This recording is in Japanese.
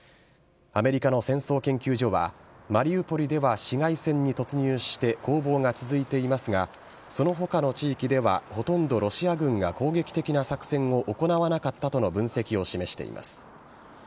アメリカの戦争研究所はマリウポリでは市街戦に突入して攻防が続いていますがその他の地域ではほとんどロシア軍が攻撃的な作戦を行わなかったとの分析を示しています。